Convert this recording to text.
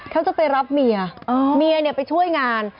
เขาจะไปรับเมียเมียเนี่ยไปช่วยงาน